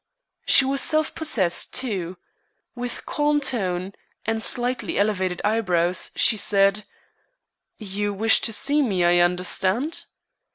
She was self possessed, too. With calm tone, and slightly elevated eyebrows, she said: "You wish to see me, I understand?"